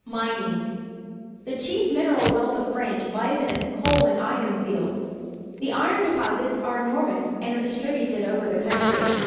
Mining. — The cliief mineral wealth of France lies in its coaLand iron fields. The iron FRANCE 183 deposits are enormous and are distributed over the countrj